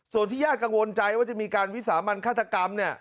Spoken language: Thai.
ส่วนที่ญาติกังวลใจว่าจะมีการวิสามันฆาตกรรมเนี่ย